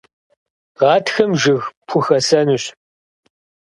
Гъатхэм жыг пхухэссэнущ.